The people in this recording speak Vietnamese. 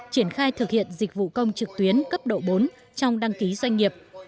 triển khai thực hiện dịch vụ công trực tuyến cấp độ bốn trong đăng ký doanh nghiệp